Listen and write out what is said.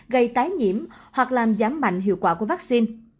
gây tái nhiễm hoặc làm giảm mạnh hiệu quả của vaccine